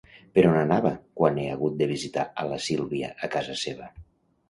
Per on anava quan he hagut de visitar a la Sílvia a casa seva?